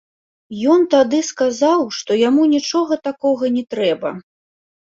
Ён тады сказаў, што яму нічога такога не трэба.